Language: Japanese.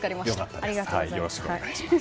ありがとうございます。